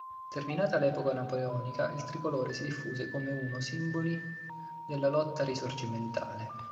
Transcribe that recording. Terminata l'epoca napoleonica, il Tricolore si diffuse come uno simboli della lotta risorgimentale.